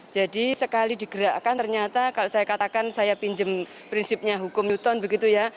jadi sekali digerakkan ternyata kalau saya katakan saya pinjam prinsipnya hukum newton begitu ya